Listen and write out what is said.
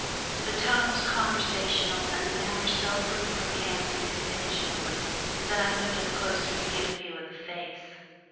The tone was conversational and the manner so free from canting conventionality that I moved up closer to get a view of the face.